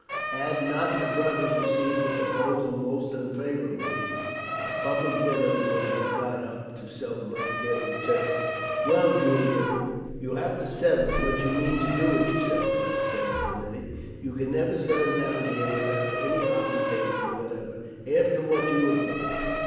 Had not the brothers received the proposal most unfavourably, a public dinner would have been got up to celebrate their return. "Well, Julian, you will have to settle what you mean to do with yourself," Frank said one day. "You can never settle down here without any occupation whatever, after what you have gone through."